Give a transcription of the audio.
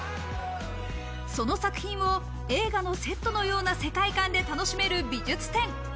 その作品を映画のセットのような世界観で楽しめる美術展。